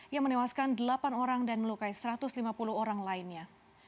yang menewaskan delapan orang dan melukai satu ratus lima puluh orang lainnya